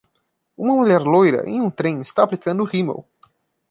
Uma mulher loira em um trem está aplicando rímel.